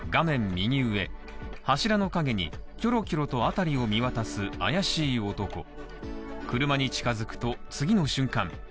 右上柱の陰にキョロキョロと辺りを見渡す怪しい男車に近づくと、次の瞬間。